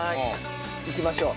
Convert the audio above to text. いきましょう。